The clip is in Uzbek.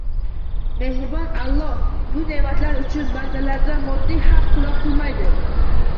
Mehribon Alloh bu neʼmatlari uchun bandalardan moddiy haqq talab qilmaydi.